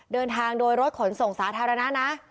เดินทางโดยรถขนส่งสาธารณะนะ